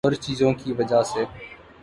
تو اورچیزوں کی وجہ سے۔